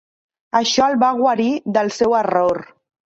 Això el va guarir del seu error.